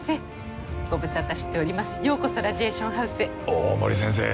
大森先生。